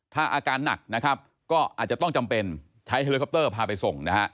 ถ้าอาการหนักนะครับก็อาจจะต้องจำเป็นใช้เฮลิคอปเตอร์พาไปส่งนะฮะ